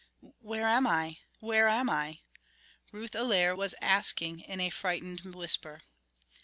"Where am I ... where am I?" Ruth Allaire was asking in a frightened whisper.